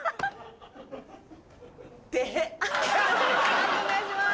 判定お願いします。